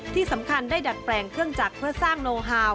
ที่สำคัญได้ดัดแปลงเครื่องจักรเพื่อสร้างโนฮาว